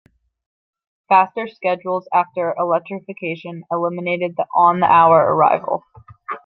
Faster schedules after electrification eliminated the on-the-hour arrival.